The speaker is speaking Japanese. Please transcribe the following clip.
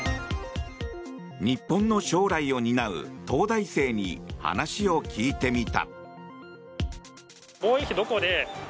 日本の将来を担う東大生に話を聞いてみた。